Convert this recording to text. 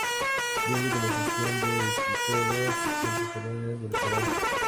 Miembro de la Asociación de Escritoras Contemporáneas del Ecuador.